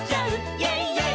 「イェイイェイ！